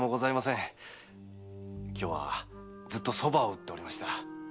今日はずっと蕎麦を打っておりました。